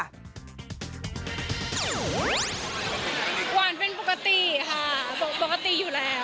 หวานเป็นปกติค่ะปกติอยู่แล้ว